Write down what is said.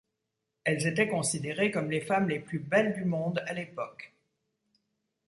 Elles étaient considérées comme les femmes les plus belles du monde, à l'époque.